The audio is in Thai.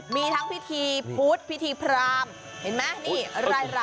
มีทั้งพิธีพุทธพิธีพรามเห็นไหมนี่